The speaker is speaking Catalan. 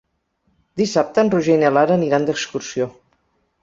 Dissabte en Roger i na Lara aniran d'excursió.